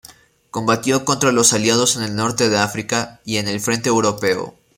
Combatió contra los Aliados en el Norte de África y en el frente europeo.